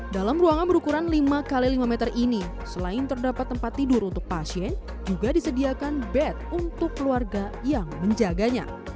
dalam ruangan berukuran lima x lima meter ini selain terdapat tempat tidur untuk pasien juga disediakan bed untuk keluarga yang menjaganya